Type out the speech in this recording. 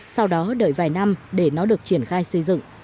sau đó đợi vài năm để nó được triển khai xây dựng